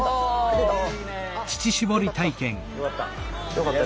よかった。